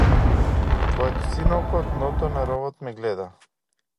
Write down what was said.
Твоето сино око од дното на ровот ме гледа.